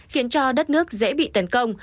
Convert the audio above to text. khiến cho đất nước dễ bị tấn công